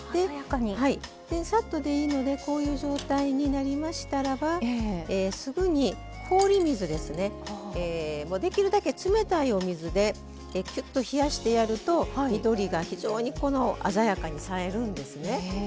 さっとでいいのでこういう状態になりましたらばすぐに氷水できるだけ冷たいお水できゅっと冷やしてやると緑が非常に鮮やかに映えるんですね。